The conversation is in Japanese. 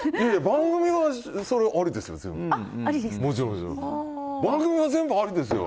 番組はそれはありですよ。